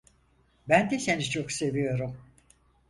Ben de seni çok seviyorum.